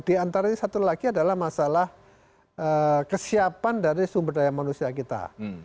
di antara ini satu lagi adalah masalah kesiapan dari sumber daya manusia kita